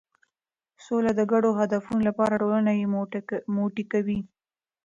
سوله د ګډو هدفونو لپاره ټولنه یو موټی کوي.